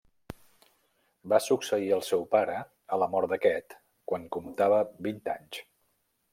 Va succeir el seu pare a la mort d'aquest quan comptava vint anys.